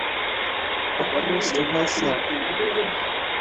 Wakristo hasa Waprotestant halafu pia Wakatoliki na kidogo